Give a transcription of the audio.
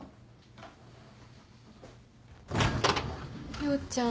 陽ちゃん。